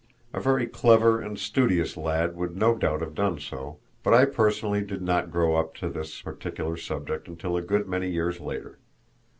A very clever and studious lad would no doubt have done so, but I personally did not grow up to this particular subject until a good many years later.